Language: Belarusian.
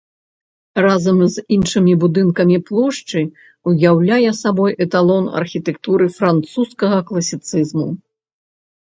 Разам з іншымі будынкамі плошчы ўяўляе сабой эталон архітэктуры французскага класіцызму.